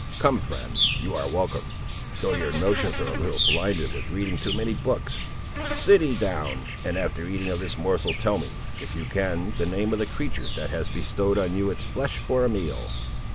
Come, friend; you are welcome, though your notions are a little blinded with reading too many books. Sit ye down, and, after eating of this morsel, tell me, if you can, the name of the creatur' that has bestowed on you its flesh for a meal?"